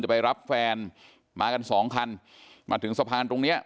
ไปรับแฟนมากันสองคันมาถึงสะพานตรงเนี้ย